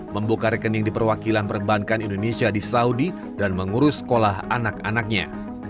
membuka rekening di perwakilan perbankan indonesia di saudi dan mengurus sekolah anak anaknya